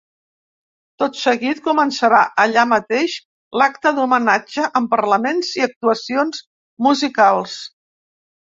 Tot seguit, començarà allà mateix l’acte d’homenatge, amb parlaments i actuacions musicals.